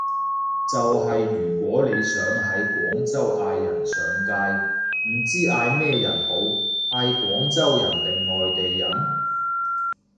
就係如果你想喺廣州嗌人上街，唔知嗌咩人好，嗌廣州人定外地人？